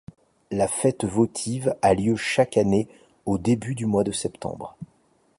La fête votive a lieu chaque année au début du mois de septembre.